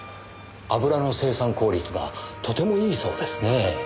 油の生産効率がとてもいいそうですねぇ？